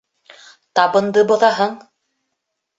Табынды боҙаһың!